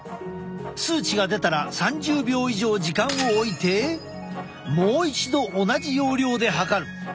数値が出たら３０秒以上時間をおいてもう一度同じ要領で測る。